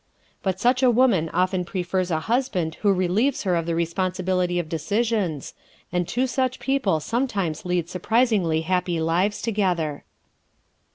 But such a woman often prefers a husband who relieves her of the responsibility of decisions, and two such people sometimes lead surprisingly happy lives together.